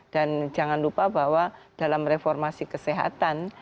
dan jangan lupa bahwa dalam reformasi kesehatan